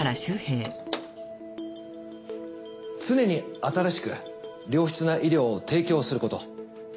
常に新しく良質な医療を提供すること。